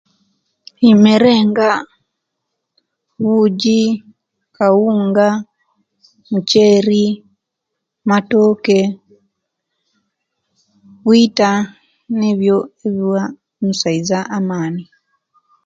Emere nga buji, kawunga, mukyeeri, matooke, bwiita, nibyo ebiwa omusaiza amaani.